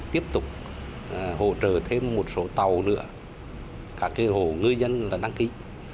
tiếp tục hỗ trợ thêm một số tàu nữa cả hồ ngư dân đã đăng ký